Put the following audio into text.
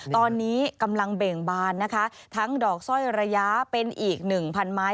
ตอนนี้กำลังเบ่งบานนะคะทั้งดอกสร้อยระยะเป็นอีกหนึ่งพันไม้